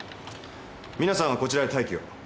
皆さんはこちらで待機を。